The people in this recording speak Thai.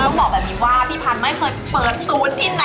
ต้องบอกแบบนี้ว่าพี่พันธุ์ไม่เคยเปิดสูตรที่ไหนมาก่อน